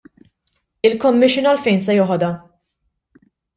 Il-commission għalfejn se jeħodha?